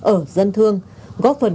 ở dân thương góp phần